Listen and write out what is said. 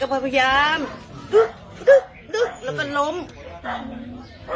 ข้าล้มเองอย่างงั้นเลยนะ